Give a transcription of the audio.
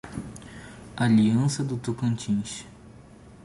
Aliança do Tocantins